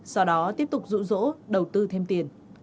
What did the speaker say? sau đó tiếp tục rụ rỗ đầu tư thêm tiền